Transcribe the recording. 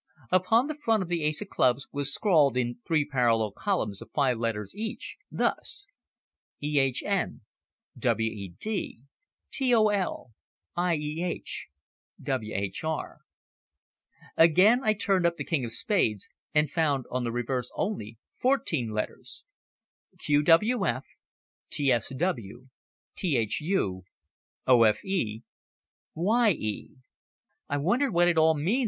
Upon the front of the ace of clubs was scrawled in three parallel columns of five letters each, thus: E H N W E D T O L I E H W H R Again, I turned up the king of spades and found on the reverse only fourteen letters: Q W F T S W T H U O F E Y E "I wonder what it all means?"